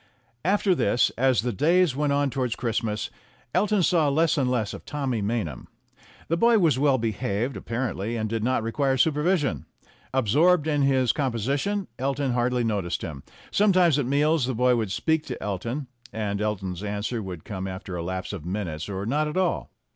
After this, as the days went on towards Christmas, Elton saw less and less of Tommy Maynham. The boy was well behaved, apparently, and did not require supervision. Absorbed in his composition, Elton hardly noticed him ; sometimes at meals the boy would speak to Elton, and Elton's answer would come after a lapse of minutes, or not at all.